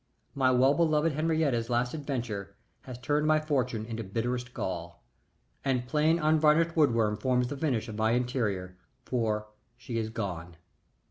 My well beloved Henriette's last adventure has turned my fortune into bitterest gall, and plain unvarnished wormwood forms the finish of my interior, for she is gone!